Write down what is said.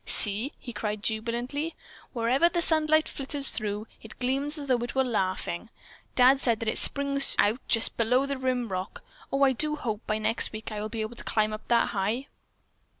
"See," he cried jubilantly, "wherever the sunlight filters through, it gleams as though it were laughing. Dad said that it springs out just below the rim rock. Oh, I do hope by next week I will be able to climb up that high."